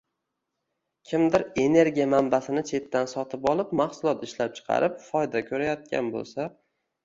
– kimdir energiya manbasini chetdan sotib olib, mahsulot ishlab chiqarib foyda ko‘rayotgan bo‘lsa